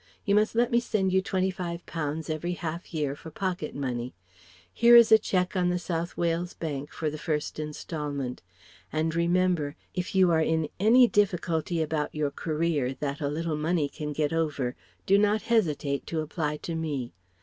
You must let me send you twenty five pounds every half year for pocket money. Here is a cheque on the South Wales Bank for the first instalment. And remember, if you are in any difficulty about your career that a little money can get over do not hesitate to apply to me.